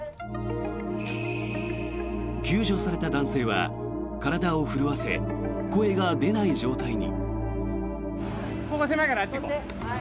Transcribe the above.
救助された男性は体を震わせ声が出ない状態に。